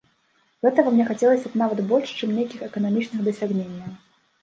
Гэтага мне хацелася б нават больш, чым нейкіх эканамічных дасягненняў.